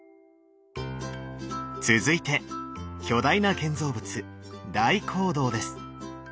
続いて巨大な建造物大講堂です。